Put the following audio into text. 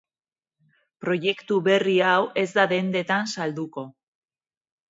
Proiektu berri hau ez da dendetan salduko.